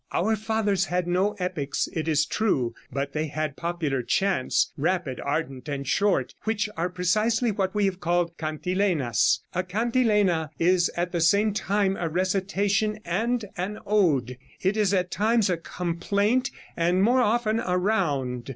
"Our fathers had no epics, it is true, but they had popular chants, rapid, ardent and short, which are precisely what we have called cantilenas. A cantilena is at the same time a recitation and an ode. It is at times a complaint and more often a round.